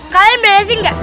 kalian beresin nggak